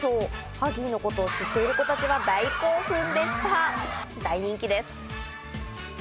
ハギーのことを知っている子たちが大興奮でした、大人気です。